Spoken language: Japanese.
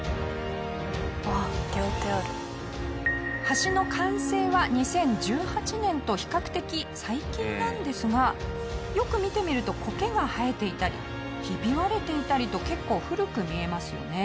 橋の完成は２０１８年と比較的最近なんですがよく見てみると苔が生えていたりひび割れていたりと結構古く見えますよね。